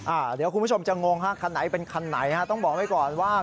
เดี๋ยวคุณผู้ชมจะงงฮะคันไหนเป็นคันไหนฮะต้องบอกไว้ก่อนว่า